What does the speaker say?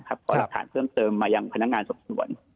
ขอหลักฐานเพิ่มเติมมายังพนักงานสอบสวน